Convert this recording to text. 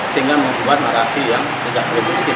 sehingga membuat narasi yang tidak produktif